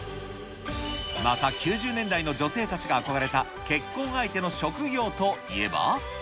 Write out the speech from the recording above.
また９０年代の女性たちが憧れた結婚相手の職業といえば。